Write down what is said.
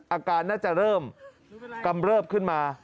อาการน่าจะเริ่มกำเริบขึ้นมา